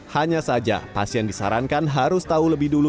hanya saja pasien disarankan harus tahu lebih dulu